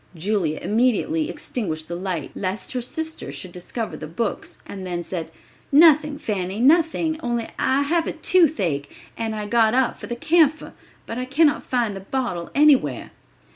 Julia immediately extinguished the light, lest her sister should discover the books and then said, "Nothing, Fanny, nothing; only I have the toothache, and I got up for the camphor, but I cannot find the bottle anywhere."